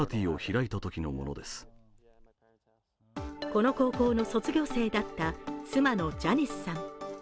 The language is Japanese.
この高校の卒業生だった妻のジャニスさん。